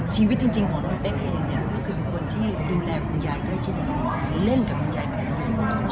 เขาเป็นคนที่ดูแลคุณยายใกล้ชิดยังไงที่เล่นกับคุณยายในนี้